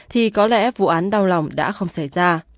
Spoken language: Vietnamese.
thì có lẽ vụ án đau lòng đã không xảy ra